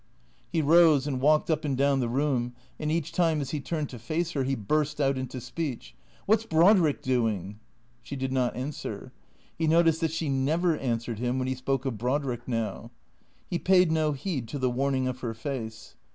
He rose and walked up and down the room; and each time as he turned to face her he burst out into speech. " What 's Brodrick doing? " She did not answer. He noticed that she never answered him when he spoke of Brodrick now. He paid no heed to the warn ing of her face.